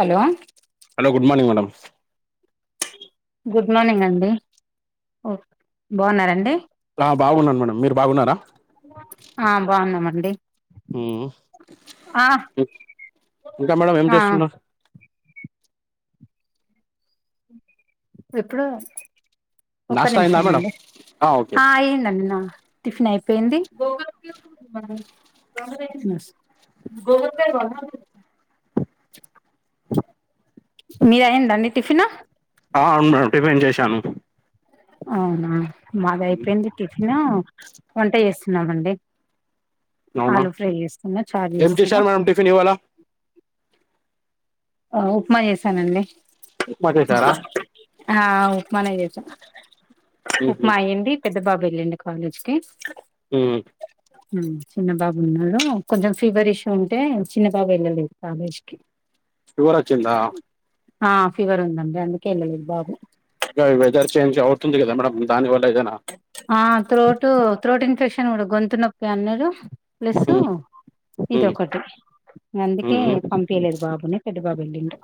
Hello hello good morning madam good morning అండి okay బాగున్నారా అండి. ఆ బాగున్నాను మేడం మీరు బాగున్నారా ఆ బాగున్నాం అండి ఊహ్ ఇంకా మేడం ఏం ఆ చేస్తున్నార్ ఇప్పుడూ ఒక్క నాస్తా అయిందా నిమిషం మేడం అండి ఆ అయిందండి నా టిఫిన్ అయిపోయింది గో అంటె గోదావరి మీదైందా అండి టిఫిను ఆ అవును మేడం టిఫిన్ చేశాను అవునా మ్మ్. మాదైపోయింది టిఫినూ వంట చేస్తున్నామండి అవునా ఆలు ఫ్రై చేస్తున్నా చారు ఏం చేస్తున్నా చేశారు మేడం ఇవాళ పి [unintelligible] అ ఉప్మా చేసానండి ఉప్మా చేశారా హా ఉప్మానే చేసా మ్మ్ ఉప్మా అయింది పెద్ద బాబు వెళ్ళండు కాలేజ్ కి ఉం ఇనడియబుల్ ఉం చిన్నబాబు ఉన్నాడు కొంచెం ఫీవర్ ఇష్యూ ఉంటే చిన్నబాబు వెళ్ళలేదు కాలేజ్ కి ఫీవర్ వచ్చిందా ఆ ఫీవర్ ఉందండి అందుకే వెళ్ళలేదు బాబు ఇగ వెదర్ చేంజ్ అవుతుంది కదా మేడం దాని వల్ల ఏదైనా ఆ త్రోటు త్రోట్ ఇన్ఫెక్షన్ కూడా గొంతు నొప్పి అన్నడు ప్లస్ మ్మ్ ఇదొ మ్మ్ ఒకటి ఇగ అందుకే మ్మ్ పమ్ పిలేదు బాబుని పెద్ద బాబు వెళ్ళిండు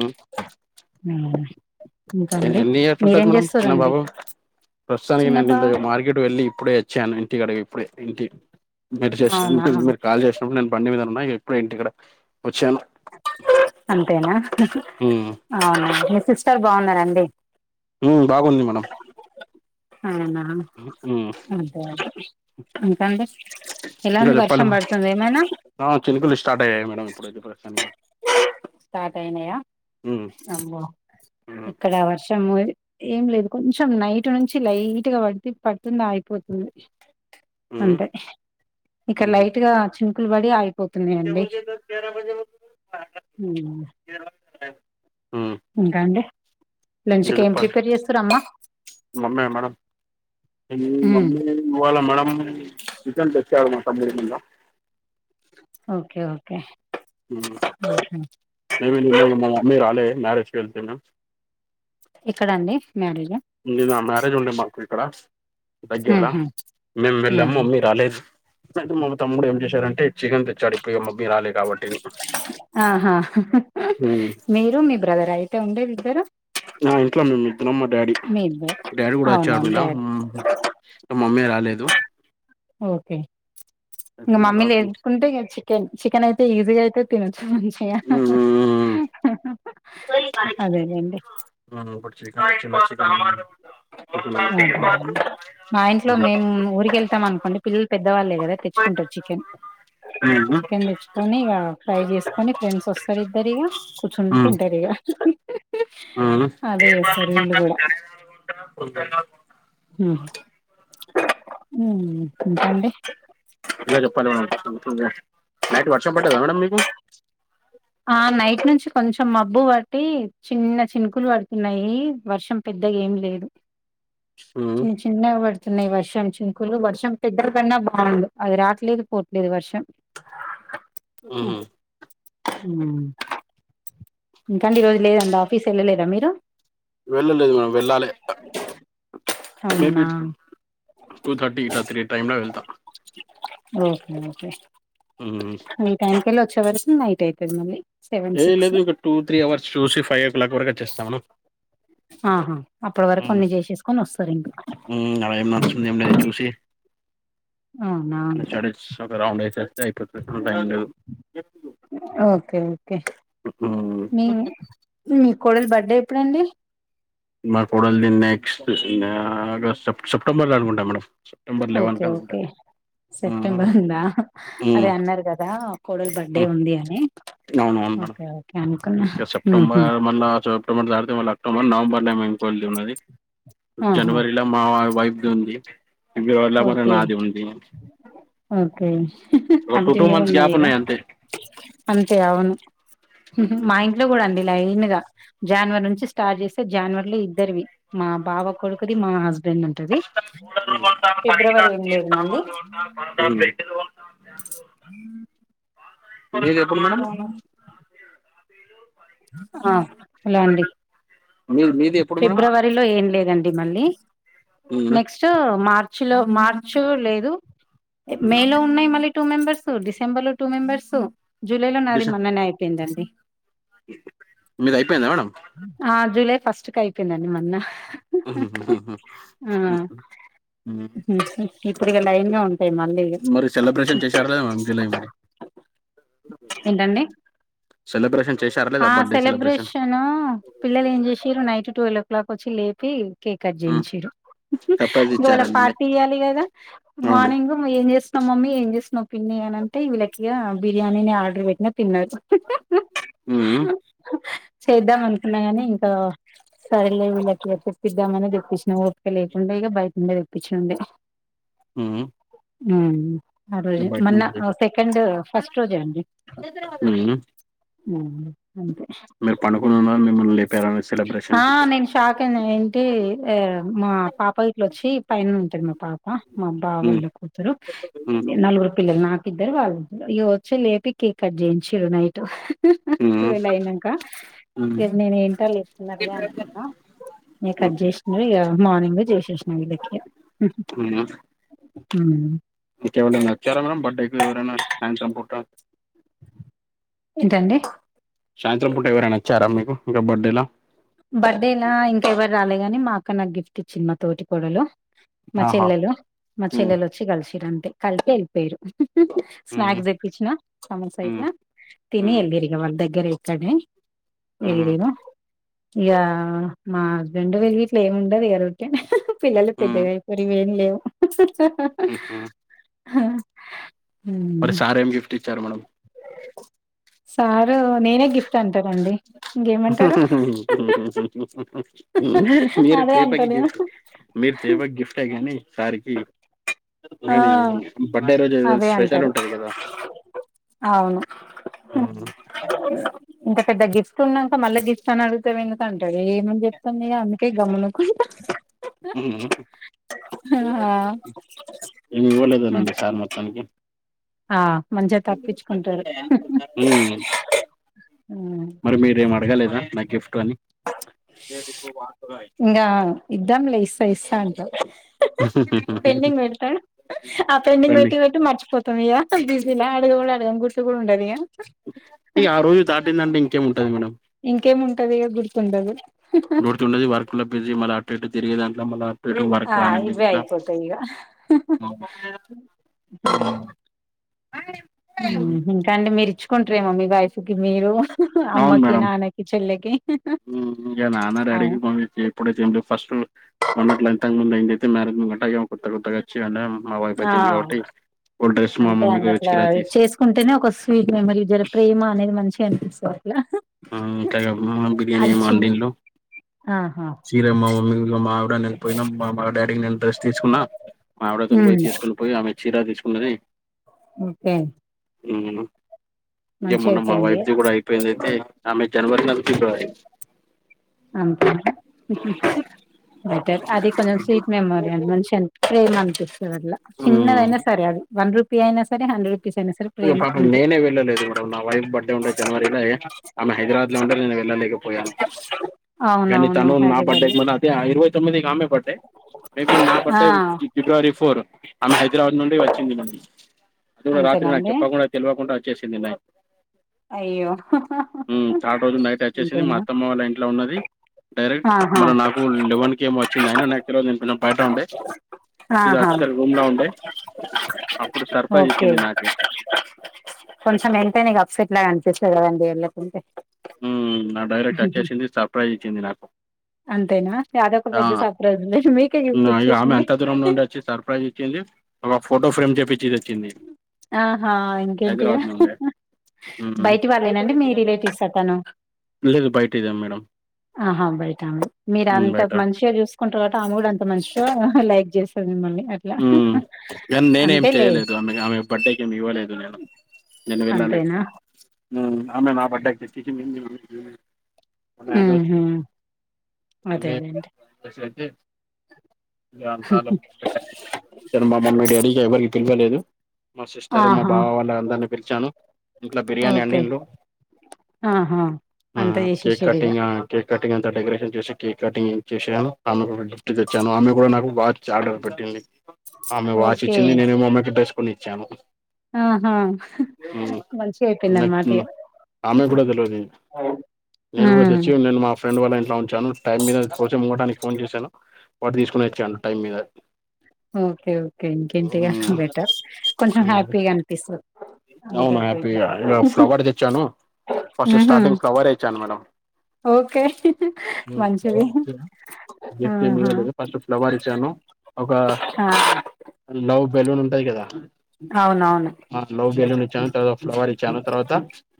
మ్మ్ ఇంకా ఎ- అండి ఎన్ని ఇయర్స్ ఉంటది మీరేం మేడం చిన్న చేస్తారండి బాబు ప్రస్తుతానికి నేను మార్కెట్ వెళ్ళి ఇప్పుడే వచ్చాను ఇంటి కడకి ఇప్పుడే ఇంటి నడిసి వచ్చినాము అవునా! మీరు మీరు కాల్ చేసినప్పుడు నేను బండి మీద ఉన్నా ఎప్పుడ ఇంటి ఇక్కడ వచ్చాను అంతేనా మ్మ్ అవును మీ సిస్టర్ బాగున్నారండి ఉం బాగుంది మేడమ్ అవునా హ్మ్ అదే అదే ఇంకాండి ఇంకా ఎలాంది చెప్పాలి వర్షం మేడం పడుతుంది ఏమైనా ఆ చినుకులు స్టార్ట్ అయ్యాయి మేడం ఇప్పుడైతే ప్రస్తుతానికి స్టార్ట్ అయినాయా హ్మ్ అమ్మో హ్మ్ ఇక్కడ వర్షము ఏం లేదు కొంచెం నైట్ నుంచి లైట్ గా పట్టి పడుతుంది అగీపోతుంది హ్మ్ అంటే ఇక్కడ లైట్గా చినుకులు పడి అగీ చె బో తెరాజ [unintelligible] ఉం కేరళ [unintelligible] ఇంకా అండి లంచ్ కి ఏం ఇప్ప ప్రిపేర్ చేస్తారమ్మా మమ్మ మేడం హ్మ్. [unintelligible] ఇవాళ మేడం రిటర్న్ తెచ్చారున్నమాట మూడు మల [unintelligible] ఓకే ఓకే నేన్న మా [unintelligible] మమ్ీ రాలే మ్యారేజ్ కళ్తనా ఎక్కడ అండి మ్యారేజ్ నిన్న మ్యారేజ్ ఉండే మాకు ఇక్కడ దగ్గరలా హుహు. మేము వెళ్ళాము హుహు. మమ్మీ రాలేదు మా తమ్ముడు ఏం చేశాడంటే చికెన్ తెచ్చాడు ఇప్పుడు ఇక మమ్మీ రాలేదు ఆహా హ్మ్ మీరు మీ బ్రదర్ అయితే ఉండేదిద్దరు ఆ ఇంట్లో మేము ఇద్దిరమ్ మా డాడీ మీ ఇద్దరు డాడీ కూడా అవునా వచ్చారు నీనా డాడీ మమ్మీ రాలేదు ఓకే అయితే ఇంగ నేను మమ్మీలు రాకు వేపిచుకుంటే ఇగా చికెన్ చికెన్ అయితే ఈజీగా అయితే తినచ్చు మంచిగా అదేలేండి ప [unintelligible] మా అదే మా ఇంట్లో మేము ఊరిక వెళ్తాం అనుకోండి పిల్లలు పెద్దవాళ్ళే కదా తెచ్చుకుంటారు చికెన్ ఉమ్ చికెన్ తెచ్చుకొని ఇక ఫ్రై చేసుకొని ఫ్రెండ్స్ వస్తారు ఇద్దరు ఇగా కూచంతే తింటారు ఇగా అ ఉహు ఇలా చెప్పాలి మే నైట్ వర్షం పట్టదా మేడం మీకు ఆ నైట్ నుంచి కొంచెం మబ్బు పట్టి చిన్న చినుకులు పడుతున్నాయి వర్షం పెద్దగా ఏం లేదు ఉమ్ చ్ చిన్నగా పడుతున్నాయి వర్షం చినుకులు వర్షం పెద్ద కన్నా బాగుంది అది రాట్లేదు పోట్లేదు వర్షం ఉహ్ ఉహ్ ఇంకండి ఈ రోజు లేదండి ఆఫీస్ వెళ్ళలేదా మీరు వెళ్ళలేదు మనం వెళ్ళాలి అవునా మేబి టూ థర్టీ ఇట్లా త్రీ టైమ్లా వెళ్తాం ఓకే ఓకే ఉ న టైం క వెలి వచ్చ వరుతుంది నైట్ అవుతుది మలీ ఏ లేదు ఒక టూ త్రీ అవర్స్ చూసి ఫైవ్ ఓ క్లాక్ వరకు వచ్చస్తామును ఆహా అప్పటి వరకు కొన్ని చేసేసుకొని వస్తారు ఇంకా అర ఏం నడుస్తుంది ఏం లేదు చూసి అవునా స్టడీస్ ఒక రౌండ్ వేసేస్తే అయిపోదితుంటడు ఓకే ఓకే మ్మ్ మీ మీ కోడలు బర్త్డే ఎప్పుడుండి మా కూడలు దీన్ని నెక్స్ట్ప్ సెప్టెంబర్లో అనుకుంటాను మేడమ్ ఓకే ఓకే మ్మ్ సెప్టెంబర్ ఉందా మ్మ్ అదే అన్నారు కదా కోడల్ బర్త్డే ఉంది అని అవునువును మేడంమ్ ఓకే అనుకున్న సెప్టెంబర్ మల అక్టోబర్ తర్వాత మళ్ళ అక్టోబర్ నవంబర్ లోఉంకోలిది ఉన్నది ఆహా జనవరిలో మా వైఫది ఉంది పీబ్రవరి ళ్ళ మరి ఓకే నాది ఉంది ఓకే ఒక టూ టూ కంటిన్యూగా మంత్స్ ఉన్నాయి గ్యాప్ ఇక అంతే అంతే అవును మ్మ్ మా ఇంట్లో కూడా అండి లైన్ గా జనవరి నుంచి స్టార్ట్ చేస్తే జనవరిలో ఇద్దరివి మా బావ కొడుకుది మా హస్బెండ్ ఉంటది ళ్ ఫిబ్రవరి ఎనిమీ లేది మళ్ళీ చెప్పుం మేడం [unintelligible] ఆ అలా అండి మీ మీది ఎప్పుడు మేడం ఏప్రిల్లోఎం లేండి మళ్ళి నక్ట్ మార్చ్ లో మార్చ లేదు మే లో ఉన్నాయి మళ్ళీ టూ మెంబర్స్ డిసెంబర్ లో టూ మెంబర్స్ జులై లో నాది మొన్ననే అయిపోయిందండి మీద అయిపోయిందా మేడం ఆ జూలై ఫస్ట్ క అయిపోయిందండి మొన్న ఆ [inaudible] ఇప్పుడు ఇ లైన్ గా ఉంటాయి మళ్లీ మరి సెలబ్రేషన్ చేశారా లేదా మేడం జూలై మరి ఏంటండి సెలబ్రేషన్ చేశారా? లేదా ఆ బర్త్డే సెలబ్రేషన్ సెలబ్రేషను పిల్లలు ఏం చేసారు నైట్ ట్వల్ ఓ క్లాక్ వచ్చి లేపి కేక్ కట్ చేయించారు. సర్ప్రైజ్ ఇకవాళ్ళకి ఇచ్చారనండి పార్టీ ఇయ్యాలి కదా అవును మార్నింగ్ ఏం చేస్తున్నాం మమ్మీ ఏం చేస్తున్నా పిన్ని అని అంటే వీళ్ళకిగా బిర్యానీని ఆర్డర్ పెట్టినా తిన్నారు. ఉమ్, చేద్దాం అనుకున్నా కానీ ఇంకా సరేలే వీళ్ళకి తెద్దామని తెప్పించినా ఓపిక లేకుండా ఇక బయటినుండే తెప్పించా నండి. మ్ ఆ రోజు మొన్న నుండి వచ్చేది. సెకండ్ ఫస్ట్ రోజే అండి ఉమ్, ఆ అంతే మీరు పడుకొని ఉన్నారు మిమ్మల్ని లేపారా సెలబ్రేషన్స్ కి ఆ నేను షాక్ అయినా ఏంటి మా పాప ఇట్లో వచ్చి పైన ఉంటాది మా పాప మా బావోళ్ళు కూతురు నలుగురు పిల్లలు నాకు ఇద్దరు వాళ్ళు ఇ వచ్చి లేపి కేక్ కట్ చేయించారు నైట్ ట్వల్ అయినాక మీరు నేను ఏంటో లేస్తున్నారుగా అనుకున్నా నేను కట్ చేసినది ఇ మార్నింగ్ చేసేసినా వీళ్ళకి మ్ హు మ్ నీ కెవరన్నా వచ్చారా మేడమ్ బర్డేకి ఎవరన్నా సాయంత్రం పూట ఏంటండి సాయంత్రం పుట్ ఎవరైనా వచ్చారా మీకు ఇంకా బర్త్డేలా బర్త్డేనా ఇంకెవరు రాలేదు గాని మా అక్క నాకు గిఫ్ట్ ఇచ్చింది మా తోటి కోడలు. మా ఆహా చెల్లెలు, మా ఉమ్, చెల్లెలు వచ్చి కలిసిరు అంతే కలిసి వెళ్ళిపోయారు. ఉమ్, స్నాక్స్ తెప్పచ్చిన సమోసా ఉమ్, గిట్లా తిని ఉమ్, వెళ్ళారు తిరిగి వెళ్ళిరి వాళ్ళు దగ్గరే ఇక్కడే ఉమ్. వెళ్ళిరా ఇక మా హస్బెండ్ వెల్లిర్రు ఏమి ఉండదు ఊరికే పిల్లలు హ్మ్ పెద్దగా అయిపోరి ఇంగేమి లేవు. హుహు. మరి సార్ ఏం గిఫ్ట్ ఇచ్చారు మేడం? సారు నేనే గిఫ్ట్ అంటారండి ఇంకేమంటారు. మ్ హు హూ ఉ మీరు అదే అంటా దీపకి నేను గిఫ్ట్ మీరు దేవాకి గిఫ్ట్ గాని సారికి ఆ అన్నీ బర్త్డే రోజు అదే స్పెషల్ అంటారు ఉంటది కదా అవును హ్మ్. ఇంత పెద్ద గిఫ్ట్ ఉన్నాక మళ్ళా గిఫ్ట్ తను అడిగితే విందు అంటాడు ఏమని చెప్తాను అందుకే గమ్మన ఊరుకుంటా. ఆ ఏమి ఇవ్వలేదునండి సార్ మొత్తానికి. ఆ మంచిగా తప్పించుకుంటారు మ్ మరి మీరేం అడగలేదా నా గిఫ్ట్ అని ఇంకా ఇద్దం లే ఇస్తా ఇస్తా అంటాడు. పెండింగ్ పెడతాడు ఆ పెండింగ్ చెప్పండి. పెట్టి పెట్టి మర్చిపోతాడు. బిజీలో అడగ అడుగ గుర్తు కూడా ఉండదు. ఈ ఆ రోజు దాటిందంటే ఇంకేం ఉంటాది మేడమ్. ఇంకేముంటది ఇక గుర్తుండదు. గుర్తుండదు వర్క్ లో మళ్ళా అటు ఇటు తిరిగే దాంట్లో మళ్ళా టరు ఆ వర్క్ ఇవే అయిపోతాయి ఇగ [unintelligible] ఆయనెం ఊహు ఇంకా అండి మీరు ఇచ్చుకుంటరేమో మీ వైఫ్ కి మీరు అవును అమ్మకి మేడం నాన్నకి చెల్లెకి ఊహు ఇంకా నాన్నా అవు డాడీకి మమ్మీ కి [inaudible] ఉన్నట్ల అంతకు ముందైతే [unintelligible] కొత్త కొత్తగా వచ్చి ఐంటే మా వైఫ్ ఆ వచ్చింది కాబట్టి ఓ డ్రెస్ మా మమ్మీ కి చీర తీసి కుంటేనే ఒక స్వీట్ మెమరీ జర ప్రేమ అనేది మంచిగా అనిపిస్తది అట్లా ఉమ్ ఇంకా గా మా [inaudible] బిర్యానీ అది చి వండిల్లు ఆహా చీరేమో మా మమ్మీ లు మా ఆవిడ [inaudible] పోయినం మా అమ్మ డాడీ నేను డ్రస్ తీసుకున్నా మా ఆవిడతోని హ్మ్ పోయి తీసుకొని పోయి ఆమె చీర తీసుకున్నది ఓకే ఉమ్ ఇంగ మంచిగా మొన్న మా అయిపోయింది వైఫ్ ది కూడా అయిపోయింది అయితే ఆమె జనవరి నాది ఫిబ్రవరి అంతే [inaudible] బెటర్ అది కొంచెం స్వీట్ మెమోరీ అండి మంచి అన్పిస్ ప్రేమ అన్పిస్ హ్మ్. చిన్నదైనా సరే అది వన్ రుపీ అయినా సరే హండ్రెడ్ రూపీస్ అయినా సరే య్యో ప్రేమ పాపం అంతే నేనే వెళ్ళలేదు బ్రో నా వైఫ్ బర్డే ఉండే జనవరి ల ఐ ఆమె హైదరాబాద్ లో ఉంటే నేను వెళ్ళలేకపోయాను కానీ అవునవును తను నా హైదరాబాద్ బడ్డే లో [inaudible] ఐతే ఆ ఇరవై తొమ్మిదికి ఆమె బర్డే మేబీ నా ఆ బర్డే ఫిబ్రవరి ఫోర్ ఆమె హైదరాబాద్ నుండి వచ్చింది మనం అది కూడా రాత్రి నా అంతేనండి డా తెల్వకుంటా వచ్చేసింది మే అయ్యో ఉమ్ చాడ్ రోజు నైట్ అచ్చేసింది మా అంతేనా అత్తమ్మ వాళ్ళ ఇంట్లో ఉన్నది డైరెక్ట్ ఆహా మరి నాకు లెవన్ కేమో వచ్చింది అయినా నాకు తెలవదు [inaudible] బయట ఉండే ఇది ఆహా వచ్చేసరుకు రూమ్ లో ఉండే అప్పుడు సర్ప్రైజ్ ఓకే ఇచ్చింది నాకే కొంచెం ఎంటేన్ ఇగ అప్సెట్ లాగా అన్పిస్తది కదండీ ఎళ్ళకుంటే ఉమ్ ఆ డైరెక్ట్ అచ్చేసింది సర్ప్రైజ్ ఇచ్చింది నాకు అంతేనా అదొక ఆ పెద్ద సర్ప్రైజ్ లే మీకే గిఫ్ట్ ఆ ఇగ ఆమె ఇచ్చేసింది అంత దూరం నుండోచ్చి సర్ప్రైజ్ ఇ చ్చింది ఒక ఫోటో ఫ్రేమ్ చేపిచ్చి తెచ్చింది ఆహా ఇంకేంటియా హైదరాబాద్ నుండి ఉమ్, బయటి వాళ్ళేనా అండి మీ రిలేటివ్సా తను లేదు బయట ఇదే మేడం ఆహా బయటామె మీరు హ్మ్ అంత బయట మంచిగా చూస్ కుంటరట ఆమె కూడా అంత మంచిగా లైక్ చేస్తాది మిమ్మల్ని అట్లా ఉమ్ ఇగ నేనేం అంతేలే చెయ్యలేదు ఆమెకి ఆమె బర్డే కి ఏం ఇవ్వలేదు నేను నేను వెళ్ళాలే అంతేనా నేను ఆమె నా బడ్డేకి గిఫ్ట్ ఇచ్చింది [inaudible] ఊహూ అదేలేండి [inaudible] ఐతే [inaudible] మా మమ్మీ డాడీకి ఎవరికీ పిలవలేదు మా సిస్టరు మా ఆహా బావ వాళ్ళందరినీ పిలిచాను ఇంట్లో బిర్యానీ ఓకే అండిల్లు ఆహా ఆ అంత కేక్ చేసేసిర్రు ఇగ కటింగా ఐ కేక్ కటింగ్ అంతా డెకరేషన్ చేసి కేక్ కటింగ్ చేసాను ఆమెకొక గిఫ్ట్ తెచ్చాను ఆం కూడా నాకు వాచ్ ఆర్డర్ పెట్టింది ఆమె వాచ్ ఓకే ఇచ్చింది నేనేమో అమెకి డ్రెస్ కొనిచ్చాను ఆహా మంచిగా అయిపోయిందనమాట ఇగ ఆమెకి కూడా తెల్వది నేను కూడా ఉమ్ తెచ్చి నేను మా ఫ్రెండ్ వాళ్ళ ఇంట్లో ఉంచాను టైం మీద కోసం ఇవ్వటానికి ఫోన్ చేశాను వాటి తీసుకొని వచ్చాను టైం మీద ఓకే ఓకే ఇంకేంటిగ మ్మ్ బెటర్ కొంచెం మ్మ్ హ్యాపీగా అన్పిస్త అవును అందరితో ఇట్లా హ్యాపీగా ఇక ఫ్లవర్ తెచ్చాను ఫస్ట్ ఆహా స్టార్టింగ్ ఫ్లవర్ ఇచ్చాను మేడం ఓకే మంచిది ఫ్లవర్ ఇచ్చాను గిఫ్ట్ ఏమి ఆహా ఇవ్వలేదు ఫస్ట్ ఫ్లవర్ ఇచ్చాను ఒక హా లవ్ బెలూన్ ఉంటాది కదా అవునవును లవ్ బెలూన్ ఇచ్చాను తర్వా ఫ్లవర్స్ ఇచ్చాను తరువాత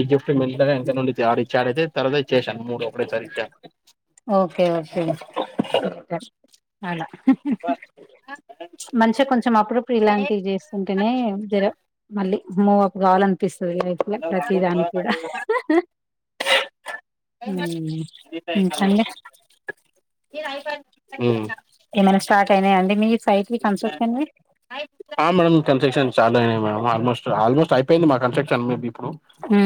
ఈ గిఫ్ట్ మెల్గా ఎనుక నుండి తారు ఇచ్చాడైతే తర్వాత చేశాను మూడు ఒకటెసారి ఇచ్చాను ఓకే ఓకే అలా బస్ మంచిగా కొంచెం అప్పుడుప్పుడు ఇలాంటివి చేస్తుంటేనే జర మళ్ళీ మూవప్ కావాలనిపిస్తుంది అయితుగా ప్రతి దానికి కూడా తే ఇంకండి మ్మ్ ఏమైనా స్టార్ట్ అయినాయాఆండీ మీయి ఇంతన్ హై ఆ మేడం కన్స్ట్రక్షన్ స్టార్ట్ అయినాయి మేమ్ ఆల్మోస్ట్ ఆల్మోస్ట్ అయిపెంది మా కన్స్ట్రక్షన్ మే బి హు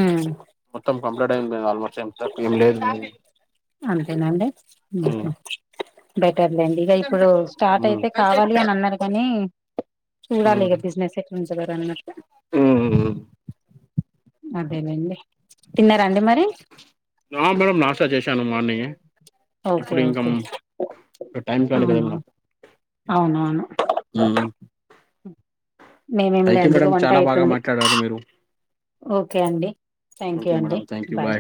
మొత్తం కంప్లీట్ అయింది ఆల్మోస్ట్ ఏంతక్కు ఏం లేదు అంతేనండి ఉమ్ ఆహా బెటర్లేండి ఇక ఇప్పుడు స్టార్ట్ ఉమ్ అయితే కావాలి అని అన్నారు కానీ ఉమ్ చాడాలి ఇగ బిజినెస్ ఎట్లుంటాదొ ర ఉమ్ అదేనండి తిన్నారాండి మరి నా మేడం నాస్త చేశాను మార్నింగ్ ఓకే ఇప్పుడు ఇంకా ఓకే టైమ్ కాలే కదా అవునా మేడం అవునవును మేమేం థ్యాంక్ యూ లేండి ఇక మేడం వంట చాలా బాగా అవుతుంది మాట్లాడారు మీరు ఓకే అండి థ్యాంక్ యూ ఓకే అండి మేడం థ్యాంక్ యూ బాయ్